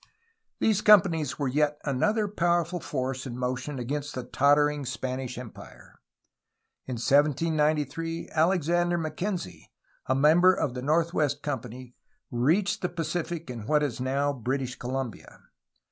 These companies were yet another powerful force in motion against the tottering Spanish Empire. In 1793 Alexander Mackenzie, a member of the North West Company, reached the Pacific in what is now British Columbia.